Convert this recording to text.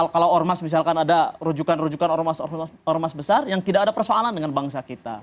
kalau ormas misalkan ada rujukan rujukan ormas besar yang tidak ada persoalan dengan bangsa kita